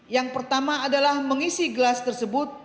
yang pertama adalah mengisi gelas tersebut